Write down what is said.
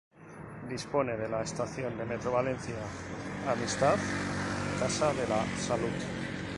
Dispone de la estación de MetroValencia Amistad-Casa de la Salut.